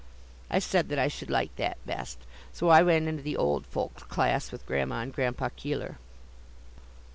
I said that I should like that best, so I went into the "old folks'" class with Grandma and Grandpa Keeler.